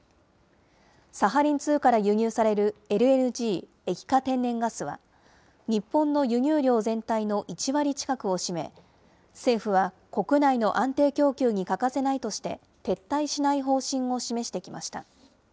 サハリン２から輸入されるＬＮＧ・液化天然ガスは、日本の輸入量全体の１割近くを占め、政府は国内の安定供給に欠かせないとして、撤退しない方針を示してきました。